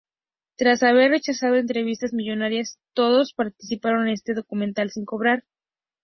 Tras haber rechazado entrevistas millonarias, todos participaron en este documental sin cobrar.